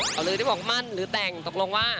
เขาเลยได้บอกมั่นหรือแต่งตกลงว่า